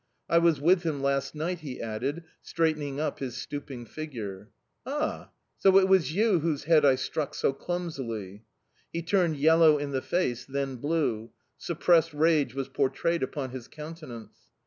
I was with him last night," he added, straightening up his stooping figure. "Ah! So it was you whose head I struck so clumsily?"... He turned yellow in the face, then blue; suppressed rage was portrayed upon his countenance.